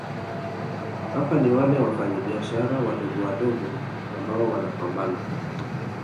hapa ni wale Wafanyabiashara wadogowadogo ambao wanapambana